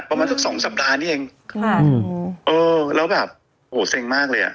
ประมาณสักสองสัปดาห์นี้เองค่ะเออแล้วแบบโหเซ็งมากเลยอ่ะ